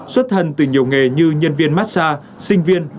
xuất thân từ nhiều nghề như nhân viên massage